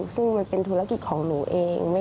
ซึ่งมันเป็นธุรกิจของหนูเอง